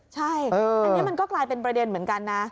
ใช่อันนี้มันก็กลายเป็นประเด็นเหมือนกันนะ